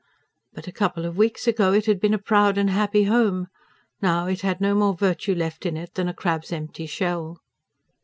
But a couple of weeks ago it had been a proud and happy home. Now it had no more virtue left in it than a crab's empty shell.